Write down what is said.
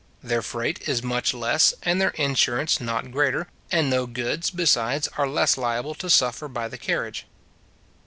Their freight is much less, and their insurance not greater; and no goods, besides, are less liable to suffer by the carriage.